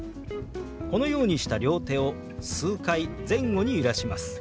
このようにした両手を数回前後に揺らします。